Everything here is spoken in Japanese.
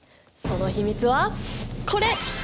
その秘密はこれ！